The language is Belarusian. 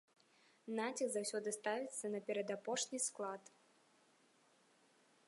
Націск заўсёды ставіцца на перадапошні склад.